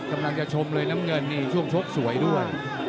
กำลังจะชมเลยน้ำเงินนี่ช่วงชกสวยด้วย